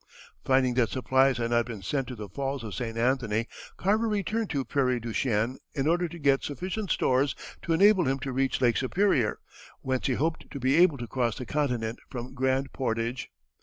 Finding that supplies had not been sent to the Falls of St. Anthony, Carver returned to Prairie du Chien in order to get sufficient stores to enable him to reach Lake Superior, whence he hoped to be able to cross the continent from Grand Portage.